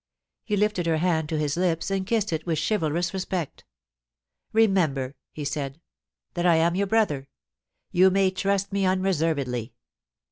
He lifted her hand to his lips and kissed it with chivalrous respect 'Remember,' he said, 'that I am your brother. You may trust me un reservedly.